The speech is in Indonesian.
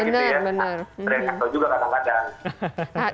trenak juga kadang kadang